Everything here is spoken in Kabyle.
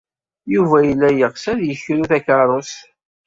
Yuba yella yeɣs ad yekru takeṛṛust.